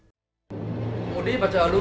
kemudian baca halus